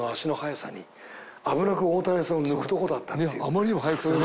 「あまりにも速くてね」